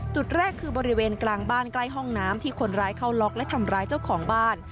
จุดแรกคือบริเวณกลางบ้านใกล้ห้องน้ำที่คนร้ายเข้าล็อกและทำร้ายเจ้าของบ้าน